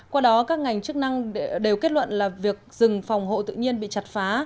qua đó các ngành chức năng đều kết luận là việc rừng phòng hộ tự nhiên bị chặt phá